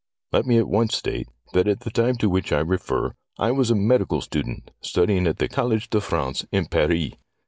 Let me at once state that at the time to which I refer I was a medical student, studying at the College de France in Paris.